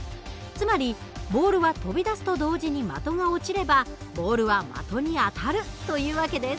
つまりボールは飛び出すと同時に的が落ちればボールは的に当たるという訳です。